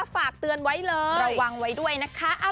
ฝากเตือนไว้เลยระวังไว้ด้วยนะคะ